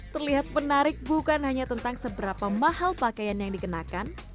terlihat menarik bukan hanya tentang seberapa mahal pakaian yang dikenakan